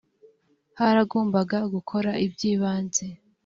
haragombaga gukora ibyibanze